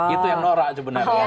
itu yang norak sebenarnya